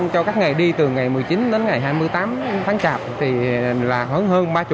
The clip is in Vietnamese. cho các ngày đi từ ngày một mươi chín đến ngày hai mươi tám tháng chạp thì là hơn ba mươi